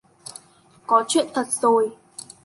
có chuyện thật rồi